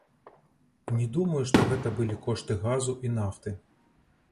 Не думаю, што гэта былі кошты газу і нафты.